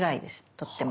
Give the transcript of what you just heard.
とっても。